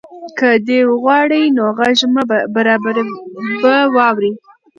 که دی وغواړي نو غږ به واوري.